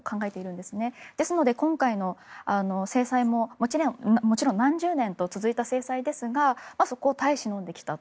ですので今回の制裁ももちろん何十年と続いた制裁ですがそこを耐え忍んできたと。